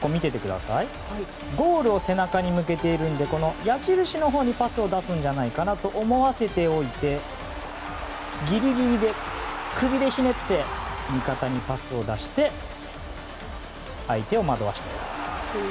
ゴールを背中に向けているので矢印のほうにパスを出すんじゃないかなと思わせておいてギリギリで首でひねって味方にパスを出して相手を惑わしています。